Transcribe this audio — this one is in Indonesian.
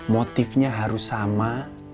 motifnya harus sama